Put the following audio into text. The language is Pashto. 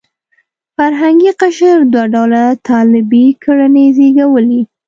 فرهنګي قشر دوه ډوله طالبي کړنې زېږولې.